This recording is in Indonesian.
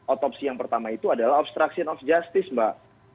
otopsi yang pertama itu adalah obstruction of justice mbak